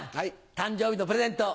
誕生日のプレゼント